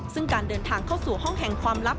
ซึ่งการเดินทางเข้าสู่ห้องแห่งความลับ